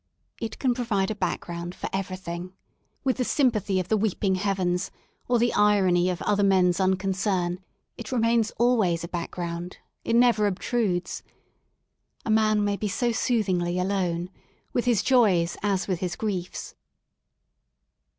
It can provide a background for everything. With the sympathy of the weeping heavens, or the irony of other men*s unconcern, it remains always a back ground ; it never obtrudes. A man may be so sooth ingly alone — with his joys as with his griefs.